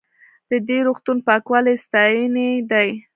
د دې روغتون پاکوالی د ستاینې دی.